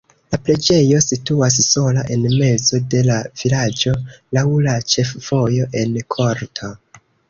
La preĝejo situas sola en mezo de la vilaĝo laŭ la ĉefvojo en korto.